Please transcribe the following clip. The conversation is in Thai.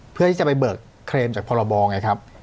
เพื่อที่จะไปเบิกเครมจากพรบไงครับ